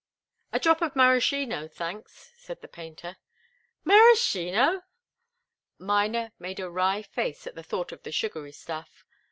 "A drop of maraschino, thanks," said the painter. "Maraschino!" Miner made a wry face at the thought of the sugary stuff.